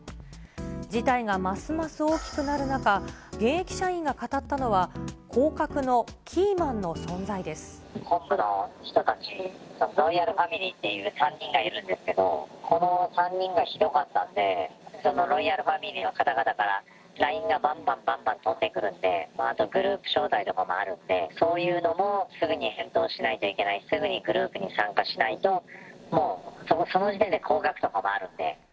事態がますます大きくなる中、現役社員が語ったのは、降格のキ本部の人たち、ロイヤルファミリーっていう３人がいるんですけど、この３人がひどかったんで、そのロイヤルファミリーの方々からＬＩＮＥがばんばんばんばん飛んでくるんで、あとグループ招待とかもあるんで、そういうのもすぐに返答しないといけないし、すぐにグループに参加しないと、もうその時点で降格とかもあるんで。